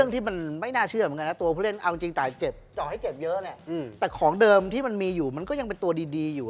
แต่ของเดิมที่มันมีอยู่มันก็ยังเป็นตัวดีอยู่